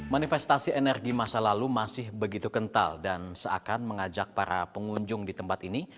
manifestasi energi masa lalu masih begitu kental dan seakan mengajak para pengundi